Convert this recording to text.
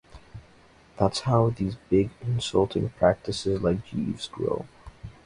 That's how these big consulting practices like Jeeves's grow.